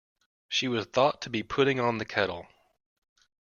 She was thought to be putting on the kettle.